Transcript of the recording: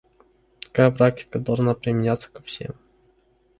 Такая практика должна применяться ко всем.